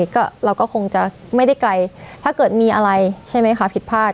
ก็เราก็คงจะไม่ได้ไกลถ้าเกิดมีอะไรใช่ไหมคะผิดพลาด